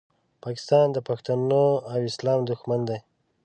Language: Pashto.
پاکستان د پښتنو او اسلام دوښمن دی